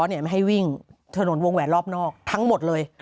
ไม่ให้วิ่งถนนวงแหวนรอบนอกทั้งหมดเลย